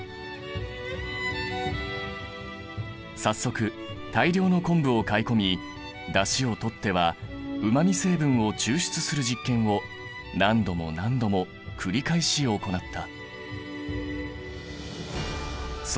早速大量の昆布を買い込みだしをとってはうま味成分を抽出する実験を何度も何度も繰り返し行った。